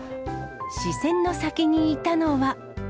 視線の先にいたのは。